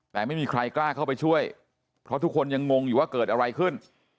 แต่ไม่มีใครกล้าเข้าไปช่วยเพราะทุกคนยังงงอยู่ว่าเกิดอะไรขึ้น